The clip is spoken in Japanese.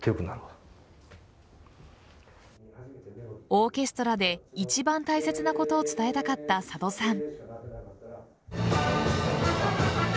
オーケストラで一番大切なことを伝えたかった佐渡さん。